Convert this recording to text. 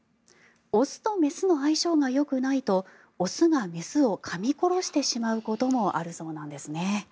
雄と雌の相性がよくないと雄が雌をかみ殺してしまうこともあるそうなんです。